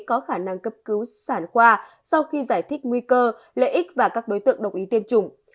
có khả năng cấp cứu sản khoa sau khi giải thích nguy cơ lợi ích và các đối tượng đồng ý tiêm chủng